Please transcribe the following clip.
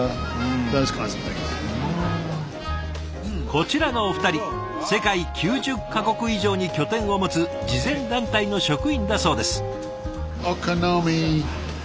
こちらのお二人世界９０か国以上に拠点を持つ慈善団体の職員だそうです。